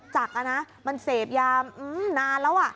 จักรนะมันเสพยานานแล้ว